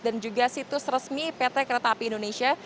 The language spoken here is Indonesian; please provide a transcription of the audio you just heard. dan juga situs resmi pt kereta api indonesia